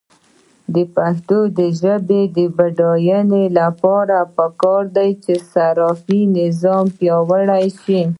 د پښتو ژبې د بډاینې لپاره پکار ده چې صرفي نظام پیاوړی شي.